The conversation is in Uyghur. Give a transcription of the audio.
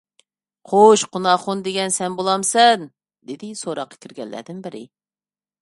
خوش، قۇناخۇن دېگەن سەن بولامسەن؟ _ دېدى سوراققا كىرگەنلەردىن بىرى.